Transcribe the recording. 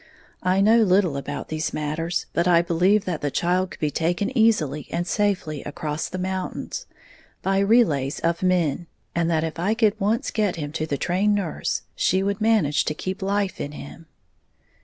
I know little about these matters, but I believed that the child could be taken easily and safely across the mountains, by relays of men, and that if I could once get him to the trained nurse she would manage to keep life in him.